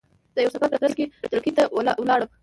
د یوه سفر په ترځ کې جلگې ته ولاړم،